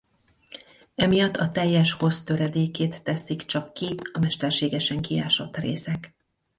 Emiatt a teljes hossz töredékét teszik csak ki a mesterségesen kiásott részek.